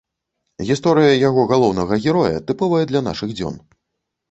Гісторыя яго галоўнага героя тыповая для нашых дзён.